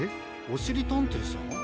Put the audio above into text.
おしりたんていさん？